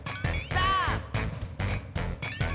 さあ！